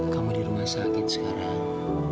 kamu di rumah sakit sekarang